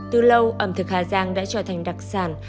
từ lâu ẩm thực hà giang đã trở thành đặc sản